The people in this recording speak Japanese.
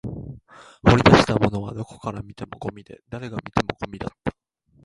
掘り出したものはどこから見てもゴミで、誰が見てもゴミだった